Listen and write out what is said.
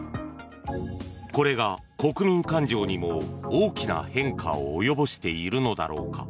これが国民感情にも大きな変化を及ぼしているのだろうか。